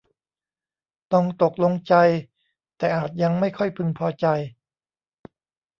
ต้องตกลงใจ แต่อาจยังไม่ค่อยพึงพอใจ